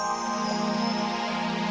beritahu tentang pemilu bukan hanya kita